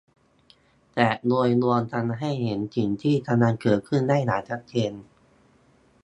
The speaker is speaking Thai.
แต่โดยรวมทำให้เห็นภาพสิ่งที่กำลังเกิดขึ้นได้อย่างชัดเจน